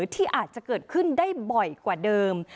ที่อาจจะเกิดขึ้นได้บ่อยกว่าเดิม